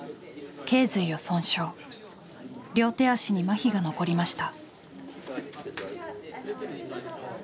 両手足にまひが残りました。